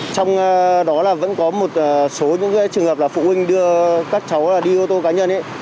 trong đó là vẫn có một số những trường hợp là phụ huynh đưa các cháu đi ô tô cá nhân